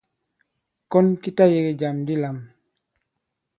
Kɔn ki ta yege jàm di lām.